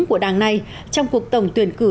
của đảng này trong cuộc tổng tuyển cử